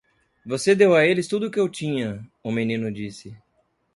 "Você deu a eles tudo o que eu tinha!" o menino disse.